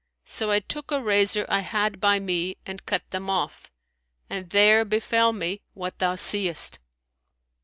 So I took a razor I had by me and cut them off; and there befel me what thou seest."